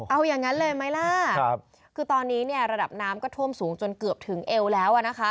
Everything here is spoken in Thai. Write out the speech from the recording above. เอายังงั้นเลยไหมล่ะคือตอนนี้ระดับน้ำก็ท่วมสูงจนเกือบถึงเอวแล้ว